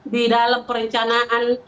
di dalam perencanaan